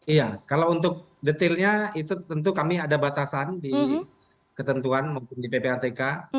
iya kalau untuk detailnya itu tentu kami ada batasan di ketentuan maupun di ppatk